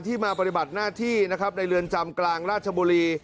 มาปฏิบัติหน้าที่นะครับในเรือนจำกลางราชบุรี